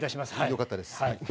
よかったです。